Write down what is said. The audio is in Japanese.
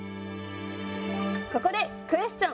ここでクエスチョン！